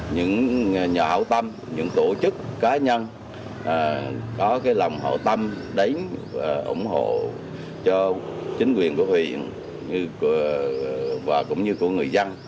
nhờ hậu tâm những tổ chức cá nhân có cái lòng hậu tâm đánh ủng hộ cho chính quyền của huyện và cũng như của người dân